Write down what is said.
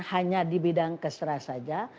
hanya di bidang keserah saja